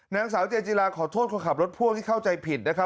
นางสาวเจจิลาขอโทษคนขับรถพ่วงที่เข้าใจผิดนะครับ